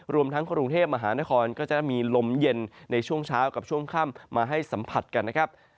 รวมทั้งกรุงเทพมหานครก็จะมีลมเย็นในช่วงเช้ากับช่วงค่ำมาให้สัมผัสกันนะครับ